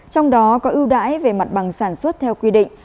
trong đó có ưu đãi về mặt bằng sản xuất theo quy định